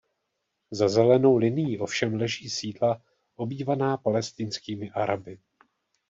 Za Zelenou linií ovšem leží sídla obývaná palestinskými Araby.